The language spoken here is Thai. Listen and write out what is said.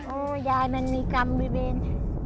โอ้ยายมันมีกรรมบริเวณ